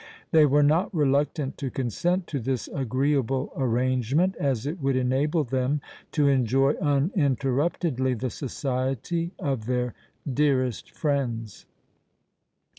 They were not reluctant to consent to this agreeable arrangement, as it would enable them to enjoy uninterruptedly the society of their dearest friends.